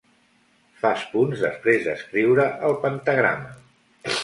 Fas punts després d'escriure al pentagrama.